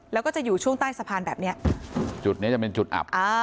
แล้วก็จะอยู่ช่วงใต้สะพานแบบเนี้ยจุดเนี้ยจะเป็นจุดอับอ่า